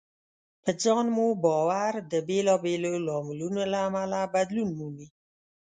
په ځان مو باور د بېلابېلو لاملونو له امله بدلون مومي.